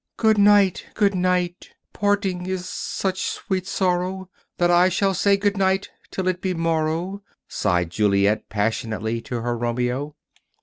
"'Good night, good night! parting is such sweet sorrow, That I shall say good night, till it be morrow,"' sighed Juliet passionately to her Romeo.